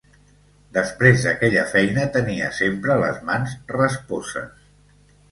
Després d'aquella feina tenia sempre les mans rasposes.